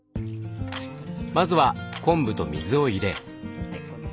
まずは昆布と水を入れ。